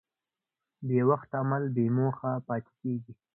بېوخت عمل بېموخه پاتې کېږي.